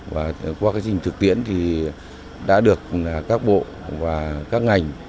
và qua cái trình thực tiễn thì đã được các bộ và các ngành